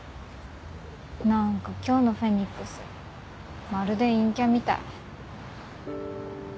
なんか今日のフェニックスまるで陰キャみたい。